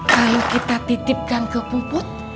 lalu kita titipkan ke puput